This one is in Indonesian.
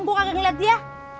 gua kagak ngeliat dia